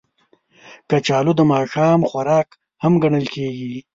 کچالو د ماښام خوراک هم ګڼل کېږي